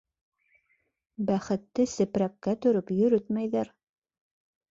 Бәхетте сепрәккә төрөп йөрөтмәйҙәр.